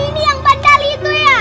oh anak ini yang bandal itu ya